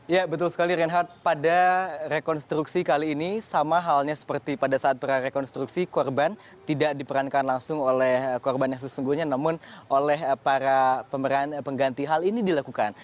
ya betul sekali reinhardt pada rekonstruksi kali ini sama halnya seperti pada saat prarekonstruksi korban tidak diperankan langsung oleh korban yang sesungguhnya namun oleh para pemeran pengganti hal ini dilakukan